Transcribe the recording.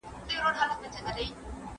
¬ يو به مړ نه سي، بل به موړ نه سي.